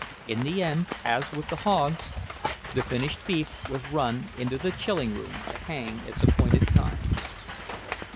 In the end, as with the hogs, the finished beef was run into the chilling room, to hang its appointed time.